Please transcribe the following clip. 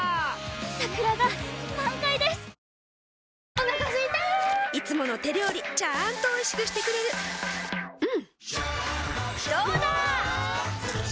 お腹すいたいつもの手料理ちゃんとおいしくしてくれるジューうんどうだわ！